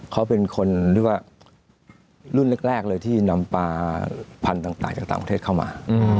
เขาเป็นคนรุ่นแรกที่นำปลาพันธุ์ต่างจากต่างประเทศเข้ามา